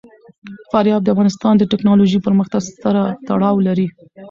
فاریاب د افغانستان د تکنالوژۍ پرمختګ سره تړاو لري.